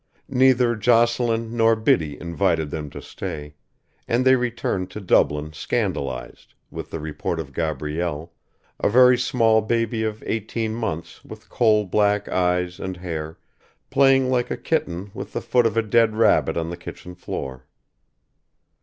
Neither Jocelyn nor Biddy invited them to stay, and they returned to Dublin scandalised, with the report of Gabrielle, a very small baby of eighteen months with coal black eyes and hair, playing like a kitten with the foot of a dead rabbit on the kitchen floor.